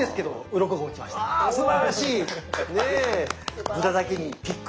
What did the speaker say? うわすばらしい！